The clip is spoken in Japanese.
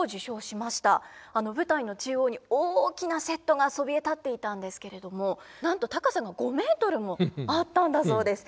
舞台の中央に大きなセットがそびえ立っていたんですけれどもなんと高さが５メートルもあったんだそうです。